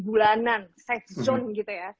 bulanan sejum gitu ya